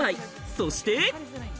そして。